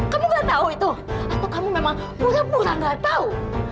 kamu gak tau itu atau kamu memang pura pura gak tau